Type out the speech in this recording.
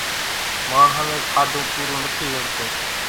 ماڻۿان نين کاڌون پورون نٿِي زڙتون۔